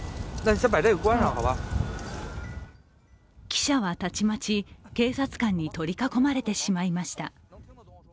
記者はたちまち警察官に取り囲まれてしまいました。